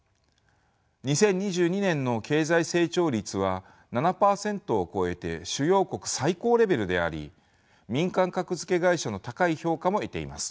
２０２２年の経済成長率は７％を超えて主要国最高レベルであり民間格付け会社の高い評価も得ています。